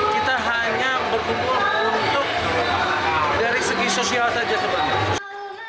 kita hanya berkumpul untuk dari segi sosial saja sebenarnya